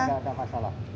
tidak ada masalah